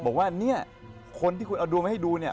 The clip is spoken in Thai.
บอกว่าเนี่ยคนที่คุณเอาดวงมาให้ดูเนี่ย